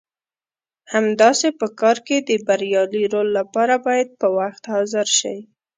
همداسې په کار کې د بریالي رول لپاره باید په وخت حاضر شئ.